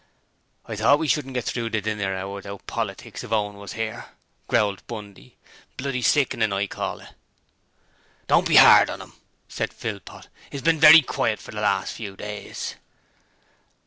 'I thought we shouldn't get through the dinner hour without politics if Owen was 'ere,' growled Bundy. 'Bloody sickenin' I call it.' 'Don't be 'ard on 'im,' said Philpot. ''E's been very quiet for the last few days.'